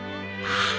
ああ！